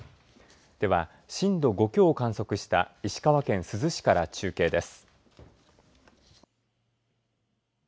では震度５強を観測した石川県珠洲市から中継です。